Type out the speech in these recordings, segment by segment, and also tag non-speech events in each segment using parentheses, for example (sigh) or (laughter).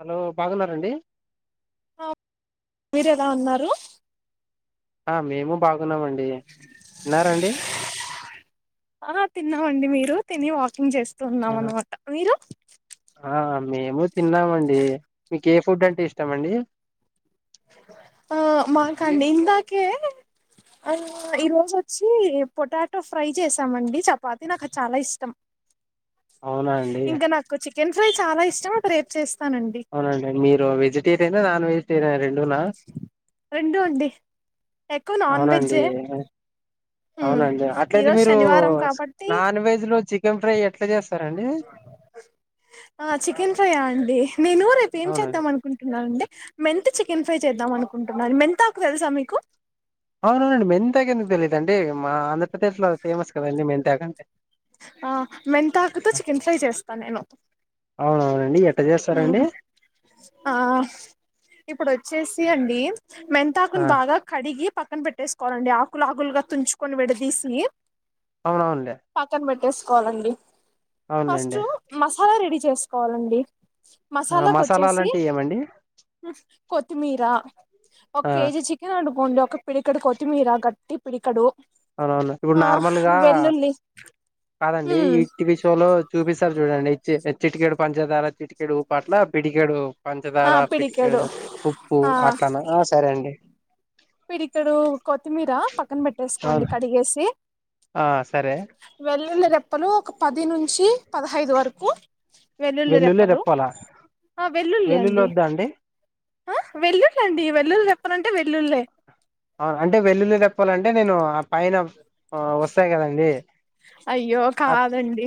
Hello బాగున్నారండి మీరు ఎలా ఉన్నారు ఆ మేము బాగు ఉన్నామండీ తిన్నారండీ అండి మీరు తిని వాకింగ్ చేస్ తున్నాం అనమాట మీరు ఆ మేము తిన్నామండి మీకు ఏ ఫుడ్ అంటే ఇష్టం అండి ఆ మాకండి ఇందాకే ఆ ఈరోజు వచ్చి పొటాటో ఫ్రై చేసామండి చపాతి నాకు చాలా ఇష్టం అవునా అండి ఇంక నాకు చికెన్ ఫ్రై చాలా ఇష్టం రేపు చేస్త్ అవునండి మీరు వెజిటేరియన్ నాన్ వెజ్ టేరారిన్ (inaudible) రెండు అండి ఎక్కువ నాన్ అవునా అండి వెజ్జే ఉమ్. అవునా అండి అట్లాయితే ఈరోజు మీరు శనివారం కాబట్టి నాన్ వెజ్ లో చిక్ ఏం ట్రయట్ ఆ చికెన్ ఫ్రై ఆ అండి నేను రేపు ఏం అవునండి చేద్దాం అనుకుంటున్నానంటే మెంతూ చికెన్ ఫ్రై చేద్దాం అనుకుంటున్నాను మెంతాకు తెలుసా మీకు అవునావునండి మెంతాకు ఎందుకు తెలియదండి మా ఆంధ్ర (inaudible) ఫేమస్ కదండీ మెన్త్ యాగంటే ఆ మెంతాకుతో చికెన్ ఫ్రై చేస్తా నేను డి ఎఫ్ హ్మ్ ఆ ఇప్పుడు వచ్చేసి అండి ఆ మెంతాకున్ బాగా కడిగి పక్కన పెట్టేసుకోవాలండి ఆకులు ఆకులుగా తుంచుకొని విడదీసి అవునాండి వేసుకోవాలండి ఫస్ట్ మసాలా రెడి చేస్ కావాలండి ఆ మసాలాలంటె ఏవండి కొత్తిమీరా ఒక కేజీ చికెన్ వండుకోండి ఒక పిడికడు కొత్తిమీర గట్టి పిడికడు. అవు అవును ఇప్పుడు ఆ నార్మల్ గా వెల్లుల్లి కాదండి ఉమ్ ఈ టీవీ షో లో చూపిస్తారు చూడండి చిట్ చిటికెడు పంచదార చిటికెడు ఉప్ అట్ల పిడికెడు ఆ పంచదార పిడికెడు పెటికడు ఉప్పు ఆ అట్లనా ఆ సరే అండి పిడికెడు కొత్తిమీర పక్కన పెట్టేసు కోండి అవును కడిగేసి ఆ సరే ఇ వెళ్ళల్లి రెప్పలు ఒక పది నుంచి పదహైదు వర కు వెల్లుల్లి రెప్పలా వెల్లుల్లి వద్దా అండి ఆ వెల్లుళ్ళండి వెల్లుల్లి రెప్పలంటే వెల్లుళ్లే అవును అంటే వెల్లుల్లి రెప్పలంటే నేను ఆ పైన అ వస్తాయి కదండి అయ్యో అ కాదండి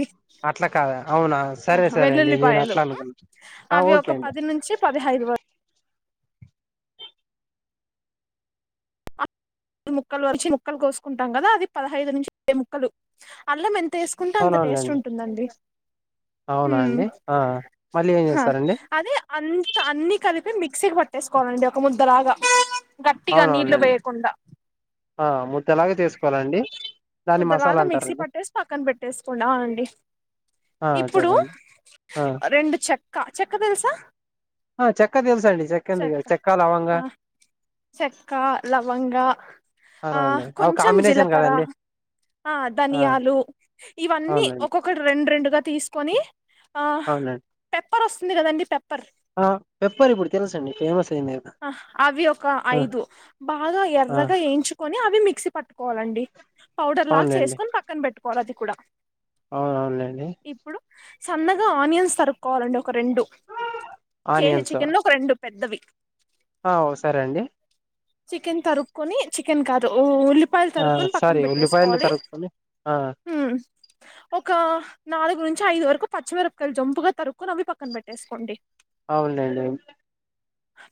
అట్లా కాదా అవునా సరే సరే అండి. నేను వెల్లుల్లిపాయలు అట్లా అనుకున్నా అవి ఓకే ఒక అండి. పది నుంచి పదిహైదు వరకు ముక్కలు వల్చి ముక్కలు కోసుకుంటాం కదా అది పదహైదు నుంచి ఇరవై ముక్కలు అల్లం ఎం తేసుకుంటే అంత టేస్ట్ అవునవునులేండి ఉంటుందండి. అవునా హ్మ్ అండి ఆ మళ్ళీ ఏం హా చేస్తారండి అదే అంతా అన్ని కలిపి ఇ మిక్సీకి పట్టేసుకోవాలండి ఒక ముద్ద లోగా గట్టిగా నీళ్లు అవునవునులేండి వేయకుండా ఆ ముద్దలాగ చేసుకోవాలండి దాన్ని ముద్దలాగా మసాలా మిక్సీ అంటారండి పట్టేసి పక్కన పెట్టేసుకోండి ఆ అండి ఆ ఇప్పుడు చెప్పండి ఆ రెండు చ క్క చెక్క తెల్సా ఆ చెక్క తెలుసండి ఎందుకు తె చెక్క ఆ లవంగా చెక్క లవంగా ఆ అవునండి అవి కొంచెం కాంబినేషన్ జీలకర్ర కదండి ఆ ధనియాలు ఇవన్నీ అవునండి ఒక్కొక్కటి రెండు రెండుగా తీసుకొని ఆ అవునండి పె పేపర్ వస్తుంది కథ అండి పెపర్ ఆ పెప్పరి ప్పుడి తెలుసండి ఫేమస్ అయింది కదా ఆ అవి ఒక ఆ ఐదు బాగా ఆ ఎర్రగా వేయించుకొని అవి మిక్సీ పట్టుకు కోవాలి అండి పౌడర్ లాగా చేసుకొని పక్కన పెట్టుకోవాలి అది కూడా అవునవునులేండి ఇప్పుడు సన్నగా ఆనియన్స్ తరుక్కోవాలిండి ఒక రెండు కేజీ ఆనియన్స్ చికెన్ లో ఒక రెండు పెద్దవి ఆ సరే అండి చికెన్ తరుపుకని చికెన్ కాదు ఉల్లి పాయలు ఆ తరుని పక్కన సారీ ఉల్లిపాయలు పెట్టేసుకోవాలి తరుక్కొని ఆ ఒక నాలుగు నుంచి ఐదు వరకు పచ్చిమిరపకాయలు జంపుగా తరుకొని పక్కన పెట్టేసుకోండి అవునండి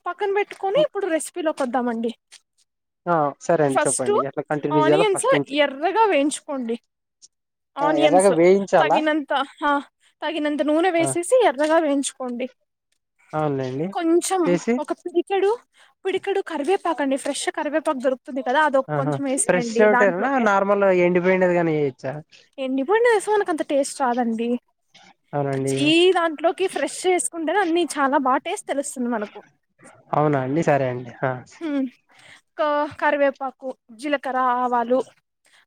పక్కన పెట్టుకొని ఇప్పుడు రెసిపీలో కొద్దామండి ఆ సరే అండి ఫస్ట్ చెప్పండి ఎట్లా కంటిన్యూ చేయాలో ఆనియన్స్ ఫస్ట్ నుంచి ఎర్రగా వేయించుకోండి ఆ ఆనియన్స్ ఎర్రగా వేయించాలా తగినంత తగినంత నూనె ఆ వేసేసి ఎర్రగా వేయించు కోండి అవునులేండి చేసి పుడికాడు పుడికాడు కరివేపాకు అండి ఫ్రెష్ కవేపాక్ దొరత ఆహా ఫ్రెష్ చటనా నార్మల్ ఎండిపోండేది కాని చేయచ్చా కాదండి ఈ దాంట్లోకి ఫ్రెష్ చేసుకుంటే అన్నిీ చాలా బా టేస్ట్ తెలుస్తుంది మనకు అవునా అండి సరే అండి ఆ మ్మ్ కరివేపాకు జీలకర్ర ఆవాలు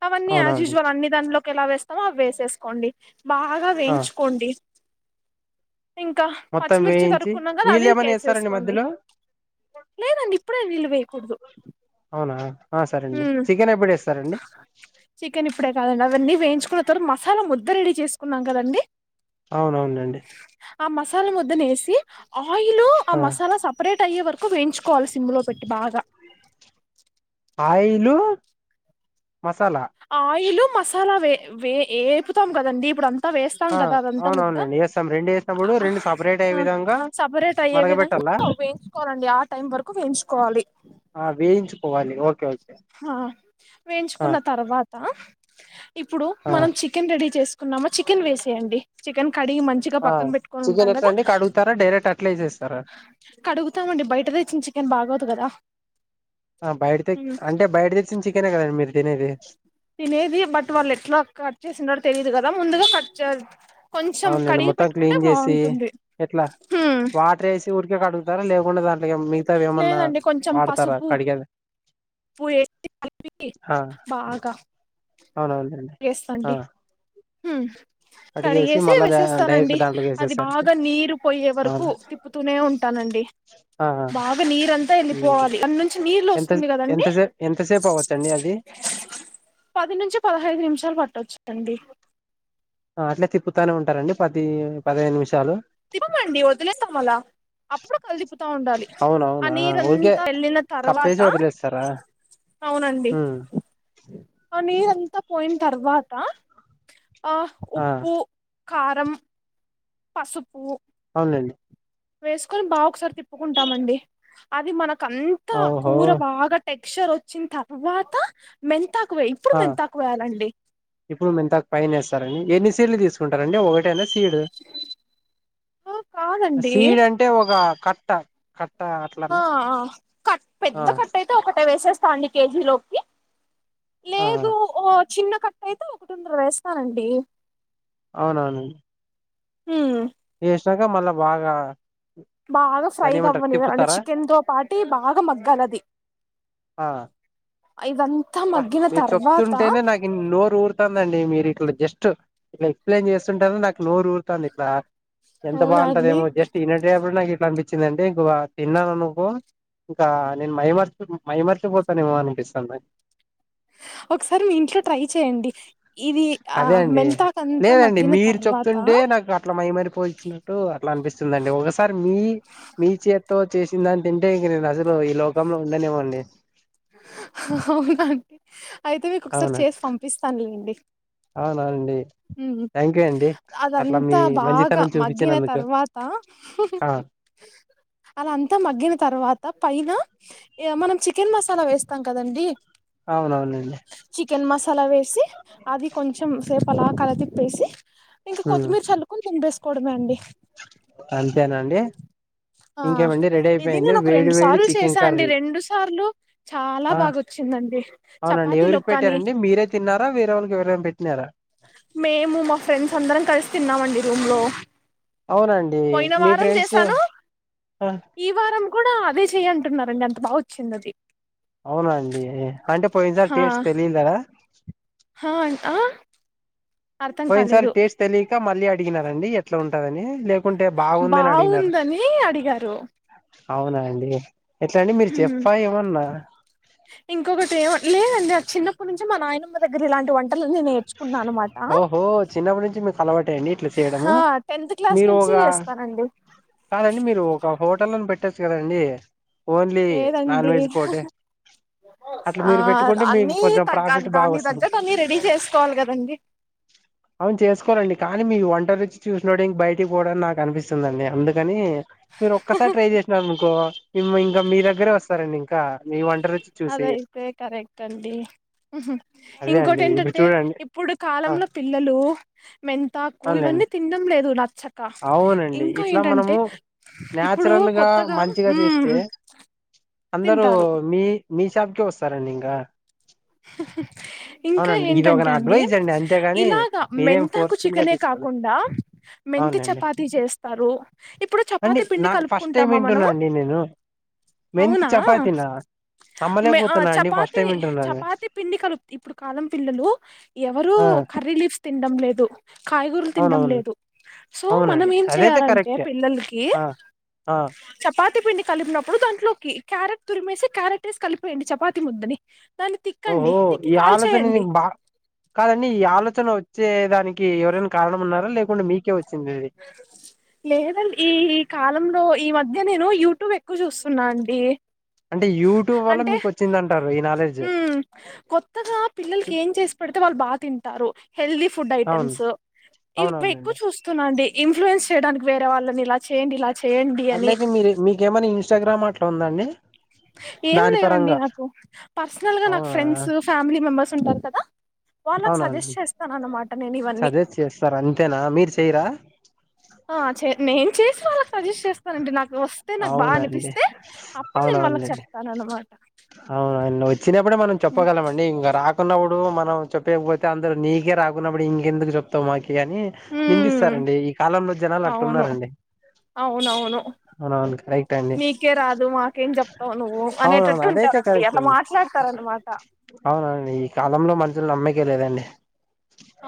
అవన్నీ యాస్ అవునవును ఉసుఅల్ అన్నీ దానిలో ఎలా వేస్తామో అవి వేసేసుకోండి బాగా ఆ వేయించుకోండి ఇంకా మొత్తం పచ్చిమిర్చి వేయించి తరుక్కున్నాం కదా నీళ్ళు అవి ఏమన్నా వేస్తారండి కేసేసుకోండి మధ్యలో లేదండి నిళ్ళు వేయకూడదు అవునా ఆ సరే అండి చికెన్ ఎప్పుడు వేస్తారండి చికెన్ ఇప్పుడే కాదండి అవన్నీ వేయించి కున్న తర్వాత మసాలా ముద్ద రెడీ చేసుకున్నాం కదండి అవునవునండి మసాల ముద్దనే వేసి ఆయిల్ ఆ మసాలా సపరేట్ అయ్యే వరకు వేయించుకోవాలి సిమ్ లో పె బాగా ఆయిలు మసాలా ఆయిల్ మసాలావే వే ఏయిపుతాం కదండి ఇప్పుడు అంత అంత వేస్తాం ఆ కదా అదంతా ముద్ద అవునవునండి వేస్తాం రెండు వేసినప్పుడు రెండు సపరేట్ అయ్యే విధంగా సపరేట్ అయ్యే విధంగా మరగబెట్టాలా వేయించుకోవాలండి ఆ టైం వరకు వేయించుకోవాలి ఆ వేయించుకోవాలి ఓకే ఓకే హ ఆ వేయిన్చుకున్న తర్వాత్ త ఇప్పుడు ఆ మనం చికెన్ రెడీ చేస్క్ కున్నామా చికెన్ వేసేయన్డి చికెన్ కడిగి మంచిగా ఆ చికెన్ పక్కనబెట్టుకొనున్టామ్ ఎట్లా గదా అండి కడుగుతారా డైరెక్ట్ అట్లా వేసేస్తారా కడుగుతామండి బయట తెచ్చిన చికెన్ బాగోదు గదా ఆ బయట తె అంటే బయట తెచ్చిన చికెనే గదా మీర్ తినేదీ బట్ వాళ్ళు ఎట్లా కట్ చేసినరో తెలియదు గదా దా ముందుగా కట్ చెస్ అవునండి మొత్తం క్లీన్ జేసి ఎట్లా వాటర్ ఏసి ఊరికే కడుగ్ గ ర్ లేకుండా అ మిగతావేమన్నా లేదండి వాడతారా కడిగేది పప్పు వేసి కలిపి ఆ బాగా అవునవునండి ఆ చేేస్తాండి హ కడిగేసి కడిగేసే మళ్ళా డైరెక్ట్ వెసేస్తానండి దాంట్లోకి అది వేసేసారు బాగా నీరు పోయే వరకు అవునా తిప్పుతూనే ఉంటానండి ఆ ఆ బాగా నీర అంతా ఉమ్. వెళ్ళిపోవాలి అన్ని నుంచి నీళ్లు ఎంత వస్తుంది కదండి ఎంతసేపు ఎంతసేపు అవ్వచ్చండి అది పది నుంచి పదహైదు నిమిషాలు పట్టొచ్చుదండి అట్లే తిప్పుతూనే ఉంటారంండి పది పదిహేను నిమిషాలు తిప్పమండి వదిలేస్తాం అలా అప్పుడు కలి తప్పుతా ఉండాలి ఆ అవునవునా ఊరికే నీరంతా వెళ్ళిన తర్వాత కప్పేసి వదిలేస్తారా అవునండి ఉమ్ ఆ నీరంతా పోయిన తర్వాత ఆ ఆ ఉప్పు కారం పసుపుూ డి వేసుకొని బాగా ఒకసారి తిప్పుకుంటామండి అది మనకు కంత ఓహో కూర భాగా టె అక్షర్ వచ్చిన తర్వాత మె ఆ ఇప్పుడు మంతాకు పైన వస్తారని ఎన్ని తెలి చంటారంండి ఒకటైనా సీడు ఆ కాదండి సీడ్ అంటే ఒక క ట ఆ కట్ పెద్ద ఆ కట్ట అయితే ఒకటే వేసే అం కేజి లోకి ఆ చిన్న కప్పు అయితే ఒకటిన్నర వేస్తానండి అవునవును హ్మ్ వేసినంక మల్ల బాగా బాగా ఫ్రై దాన్ని ఏమంటారు అవ్వని అంటే తిప్పుతారా చికెన్ తో పాటి బాగా మగ్గాలి అది అబ్బా మీరు చెప్తుంటేనే నాకు నోరు ఊరుతాన్ అవునండి మీరు ఇట్లా జస్ట్ ఇట్లా ఎక్స్ప్లెయిన్ చేస్తుంటేనే నాకు నోరు ఊరుతుంది ఇట్లా ఎంత అవునండి బాగుంటదేమో జస్ట్ ఈనేటప్పుడే ఇట్లా అనిపిస్తుం వచ్చిందండి ఇం తిన్నాను అనుకో ఇంకా నేను మైమర్చి మైమర్చిపోతానుమో అనిపిస్తుాను ఒకసారి మీ ఇంట్లో ట్రై చేయండి ఇది ఆ అదే అండి మెంతాకంతా లేదండి మగ్గిన మీరు తర్వాత చెప్తుంటే నాకు అట్లా మైమరిపోల్చ్చినట్టు అట్లా అనిపిస్తుందండి ఒకసారి మీ మీ చేత్తో చేసిందాన్ని తింటే ఇంక నేను అసలు ఈ లోకంలో ఉండనేమోండి అవునాంటడి అయితే మీకు ఒకసారి చేసి పంపిస్తాను లేండి అవునానండి మీ అదంతా బాగా మంచితనం మగ్గిన చూపించినందుకు తర్వాత ఆ అదంతా మగ్గిన తర్వాత పైన మనం చికెన్ మసాలా వేస్తాం కదండీ అవునవునండి చికెన్ మసాలా వేసి అది కొంచెం స ఫలా కాలత పేసి ఇంకా కొత్తిమీర చల్లుకుని తిపేకోడమే అండి అంతేనండి ఆ ఇంకేమండి రెడీ ఇది అయిపోయింది నేను ఒక వేడి రెండు వేడి సార్లు చికెన్ చేసా అండి కర్రీ రెండు సార్లు చాలా బాగా వచ్చిందండి అవునండి చపాతీలో ఎవరికి కానీ పెట్టారండి మీరే తిన్నారా వేరేవరికి ఎవరనా పెట్టినారా మేము మా ఫ్రెండ్స్ అందరం కలిసి తిన్నామండి రూమ్ లో అవునండి పోయిన మీ వారం ఫ్రెండ్స్ చేశాను అ ఈ వారం కూడా అదే చెయ అంటున్నారండి అంత బాగా వచ్చింది అది అవునండి అంటే పోయింది సార్ టేస్ట్ తెలిందారా హ హ అర్థం పోయిన్ సార్ కాలేదు టేస్ట్ తెలియక మళీ అడి గినారండి ఎట్లా ఉంటందని బావుందని అడిగారు అవునా అండి ఎట్లాండి మీరు హ్మ్ చెప్పా ఏమన్నా ఇంకొకటి ఏమ లేదండిది చిన్నప్పటి నుంచి మ నాయన దగ్గర ఇలాంటి వంటలన్నీ నేర్చుకున్నా అనమాట ఓహో చిన్నప్పటి నుంచి మీకు అలవాటే అండి ఇట్లా చేయడము టెన్త్ క్లాస్ మీరు నుంచి ఒక చేస్తానండి కాదండి మీరు ఒక హోటల్లోని పెట్టొచ్చు కదాండి లేదండి అట్లా ఆ మీరు పెట్టుకుంటే మీకు అని కొంచెం తగ్గ ప్రాఫిట్ బాగా దాన్ని తగ్గ వస్తుంది ద అన్ని రెడీ చేసుకోవాలి కదండి అవును చేసుకోవాలండి కానీ మీ ఒంటరి వచ్చి చూసినోడు ఇంక బయటకి పోవడం నాకు అనిపిస్తుందిండి అందు కాని మీరు ఒక్కసారి ట్రై చేసినారు అనుకో ఇంకా మీ దగ్గరే వస్తారంండి ఇంకా మీంట అదయితే కరెక్ట్ అండి అదే ఇంకోటి అండి ఇప్పుడు ఏంటంటే చూడండి ఇప్పుడు ఆ కాలంలో పిల్లలు మెంతాకు ఇవన్నీ అవునులేండి తినడం లేదు నా చక్క అవునండి ఇంకా ఇట్లా ఏంటంటే మనము ఇప్పుడు న్యాచురల్ గా కొత్తగా మంచిగా ఉ చేస్తే అందరూ తింటారు మీ మీ షాప్ కె వస్తారంండి ఇంకా ఇంకా అవునండి ఇది ఒక ఏంటంటే నా అండి అడ్వైజ్ అంతేగాని ఇలాగా మీరేం మెంతాకు ఫోర్స్ఫుల్ గా చికెనే తీసుకోలే కాకుండా మెంతి అవునండి చపాతి చేస్తారు ఇప్పుడు అండి చపాతి పిండి నా ఫస్ట్ టైం కలుపుకుంటామా వింటున్నా మనము అండి నేను మెంతి అవునా చపాతీనా మే హ నమ్మలేకపోతున్నా అండి ఫస్ట్ చపాతి టైం చపా వింటున్నాను పాతే పిండి కలు ఇప్పుడు కాలం పిల్లలు ఎవరు ఆ కర్రీ లీఫ్స్ తినడం లేదు ద్దు కాయగూరలు తినడం అవునవును లేదు సో మనం అవునండి ఏం అదైతే చేయాలంటే కరెక్టే పిల్లలకి ఆ ఆ చపాతి పిండి కలిపినప్పుడు దాంట్లో ఇంట్లోకి క్యారెట్ తురిమేసి క్యారెట్ వేసి కలిపేయండి చపాతి ముద్దని దాన్ని ఓహో తిక్కండి తిక్కి ఈ ఆలోచన కాల్చేయండి నీకు బా కాదండి ఈ ఆలోచన వచ్చ వచ్చే దానికి ఎవరైనా కారణం ఉన్నారా లేకుంటే మీకే వచ్చింది ఇది లేదండి ఈ కాలంలో ఈ మధ్య మధ్య నేను యూట్యూబ్ ఎక్కువ చూస్తున్ అండి అంటే యూట్యూబ్ వల్ల అంటే మీకు వచ్చిందంటారు ఈ నాలెడ్జ్ కొత్తగా చు పిల్లలకి ఏం చేసి పెడితే వాళ్ళు బా తింట తారు హెల్ది ఫుడ్ అవును ఐటెమ్స్ ఇవి ఎక్కువ అవునవునండి చూస్తున్నాండి ఇన్ఫ్లుయెన్స్ చేయడానికి వేరే వాళ్లని ఇలా చేయండి ఇలా చేయండి అని అట్లయితే మీర మీకేమని ఇంస్టాగ్రామ్ అట్లా ఉందండి ఏం దాని లేవండి పరంగా నాకు పర్సనల్ గా నాకు అవునా ఫ్రెండ్స్ ఫ్యామిలీ మెంబర్స్ ఉంటారు కదా వాళ్ల సజెస్ట్ అవునవునండి చేస్తాను అన్నమాట నేను ఇవన్నీ సజెస్ట్ చేస్తారు అంతేనా మీరు చెయరా ఆ చె న చేసి వాళ్ళకి సజెస్ట్ చేస్తానండి నా అవునండి అప్పుడు నేను వాళ్ళకి అవునవునండి చెప్తాను అన్నమాట అవునా వచ్చినప్పుడు మనం చెప్పగలమండి ఇంక రాక కొన్నప్పుడు మనం చొప్పియకపోతే అందరూ నీకే రాకున్నప్పుడు ఇంకెందుకు చెప్తావు మాకి అని ఉమ్ నిందిస్తారండి ఈ కాలంలో జనాలు అవును అట్టున్నారండి అవునవును మీకే రాదు మాకేం చెప్తావు నువ్వు అవునవును అనేటట్టు అదైతే ఉంటారంండి కరెక్ట్ అలా అండి మాట్లాడతార అనమాట అవునండి ఈ కాలంలో మనుషులు నమ్మికే లేదండి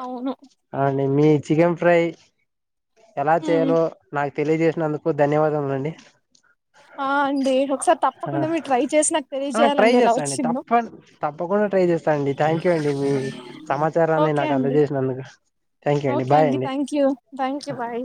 అవును అవునండి మీ చికెన్ ఫ్రై ఎలా ఉమ్ చేయాలో నా తెలియజేసినందుకు ధన్యవాదములు అండి అ హ అండి ఒకసారి తప్పకుండా మీరు ట్రై చేసి నాకు ట్రై తెలియజేయాలండి ఎలా చేస్తాండి వచ్చిందో తప్ప తప్పకుండా ట్రై చేస్తాండి థ్యాంక్ యూ అండి మీ సమాచారాన్ని ఓకే నాకు అండి అందజేసినందుకు థ్యాంక్ యూ అండి ఓకే బాయ్ అండి thank you thank you bye